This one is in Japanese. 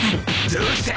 どうした？